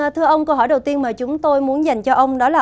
thưa ông câu hỏi đầu tiên mà chúng tôi muốn dành cho ông đó là